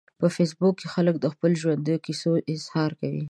په فېسبوک کې خلک د خپلو ژوندیو کیسو اظهار کوي